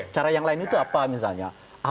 cara yang lain itu apa misalnya